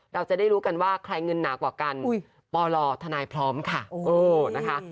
เราจะได้รู้กันว่าใครเงินหนากว่ากันปลทนายพร้อมค่ะโอ้นะคะ